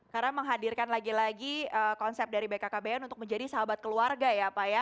karena menghadirkan lagi lagi konsep dari bkkbn untuk menjadi sahabat keluarga ya pak ya